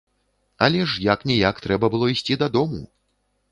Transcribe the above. Але ж як-ніяк трэба было ісці дадому.